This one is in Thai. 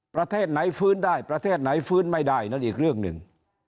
ประเทศไหนฟื้นได้ประเทศไหนฟื้นไม่ได้นั่นอีกเรื่องหนึ่ง